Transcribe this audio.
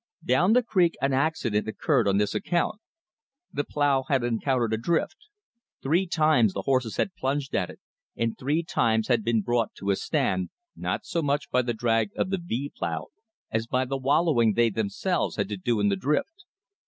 Down the creek an accident occurred on this account. The plow had encountered a drift. Three times the horses had plunged at it, and three times had been brought to a stand, not so much by the drag of the V plow as by the wallowing they themselves had to do in the drift.